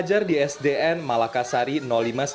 baik baik terima kasih terima kasih